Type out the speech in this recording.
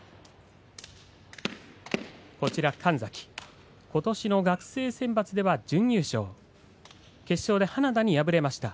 神崎はことしの学生選抜では準優勝、決勝で花田に敗れました。